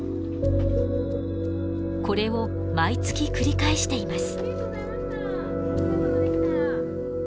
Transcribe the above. これを毎月繰り返しています。